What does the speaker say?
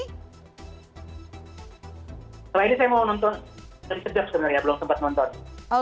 setelah ini saya mau nonton dari seger sebenarnya belum sempat nonton